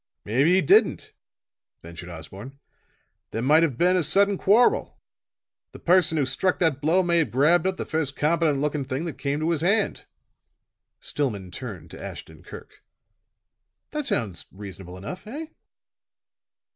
"Maybe he didn't," ventured Osborne. "There might have been a sudden quarrel. The person who struck that blow may have grabbed up the first competent looking thing that came to his hand." Stillman turned to Ashton Kirk. "That sounds reasonable enough, eh?"